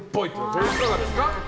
これはいかがですか。